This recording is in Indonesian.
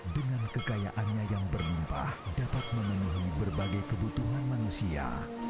dengan kekayaannya yang berlimpah dapat memenuhi berbagai kebutuhan manusia